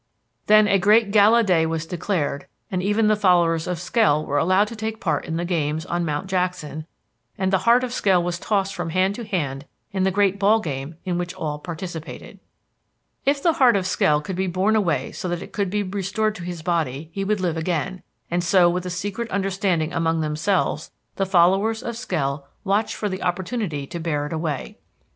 Then a great gala day was declared and even the followers of Skell were allowed to take part in the games on Mount Jackson, and the heart of Skell was tossed from hand to hand in the great ball game in which all participated. "If the heart of Skell could be borne away so that it could be restored to his body he would live again, and so with a secret understanding among themselves the followers of Skell watched for the opportunity to bear it away.